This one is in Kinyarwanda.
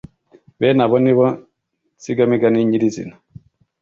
bene abo nibo nsigamigani nyirizina